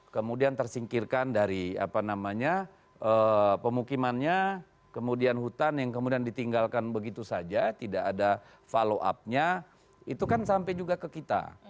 kemudian tersingkirkan dari apa namanya pemukimannya kemudian hutan yang kemudian ditinggalkan begitu saja tidak ada follow up nya itu kan sampai juga ke kita